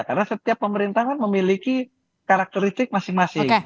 karena setiap pemerintahan memiliki karakteristik masing masing